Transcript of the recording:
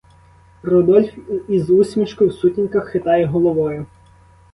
Рудольф із усмішкою в сутінках хитає головою.